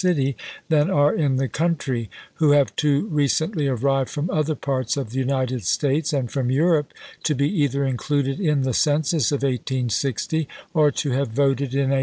are in the city than are in the country, who have too recently arrived from other parts of the United States and from Europe to be either included in the census of 1860 or to have voted in 1862."